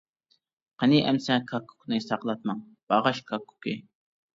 قېنى ئەمسە كاككۇكنى ساقلاتماڭ. باغاش كاككۇكى!